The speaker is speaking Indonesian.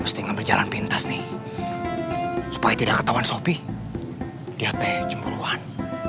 mesti ngambil jalan pintas nih supaya tidak ketauan sofi di hati jempoluan